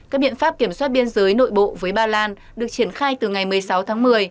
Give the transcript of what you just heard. các biện pháp kiểm soát biên giới nội bộ với ba lan được triển khai từ ngày một mươi sáu tháng một mươi